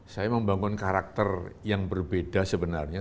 saya membangun karakter yang berbeda sebenarnya